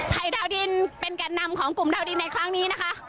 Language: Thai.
ดาวดินเป็นแก่นนำของกลุ่มดาวดินในครั้งนี้นะคะ